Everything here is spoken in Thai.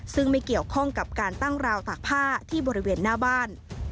ซึ่งไม่เกี่ยวข้องกับการตั้งราวตากผ้าที่บริเวณหน้าบ้าน